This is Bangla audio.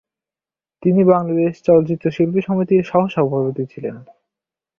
তিনি বাংলাদেশ চলচ্চিত্র শিল্পী সমিতির সহ-সভাপতি ছিলেন।